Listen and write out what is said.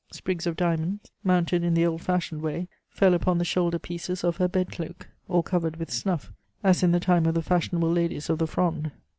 Sprigs of diamonds mounted in the old fashioned way fell upon the shoulder pieces of her bed cloak, all covered with snuff, as in the time of the fashionable ladies of the Fronde.